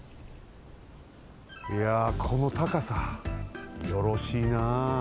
いやこのたかさよろしいな。